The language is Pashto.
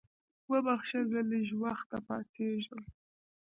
وبخښه زه لږ وخته پاڅېږم.